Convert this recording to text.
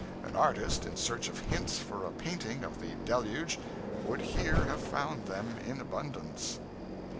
An artist, in search of hints for a painting of the deluge, would here have found them in abundance.'